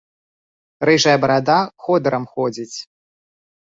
Рыжая барада ходырам ходзіць.